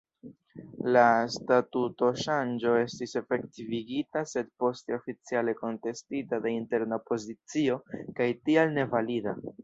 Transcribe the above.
La statutoŝanĝo estis efektivigita, sed poste oficiale kontestita de interna opozicio, kaj tial nevalida.